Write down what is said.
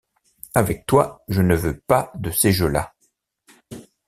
Avec toi je ne veux pas de ces jeux-là.